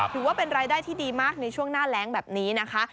ถือว่าเป็นรายได้ที่ดีมากในช่วงหน้าแรงแบบนี้นะคะ